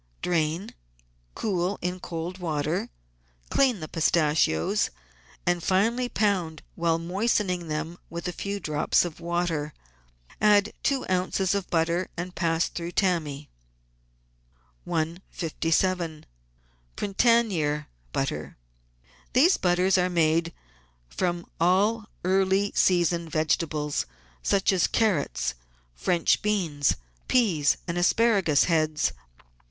Drain, cool in cold water, clean the pistachios, and finely pound while moistening them with a few drops of water. Add two oz. of butter and pass through tammy. 157— PRINTANIER BUTTER These butters are made from all early season vegetables, such as carrots, French beans, peas, and asparagus heads.